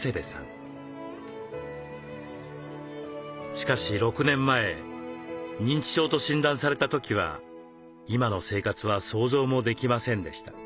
しかし６年前認知症と診断された時は今の生活は想像もできませんでした。